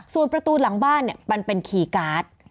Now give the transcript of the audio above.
ส่วนประตูหลังบ้านมันเป็นคีย์การ์ด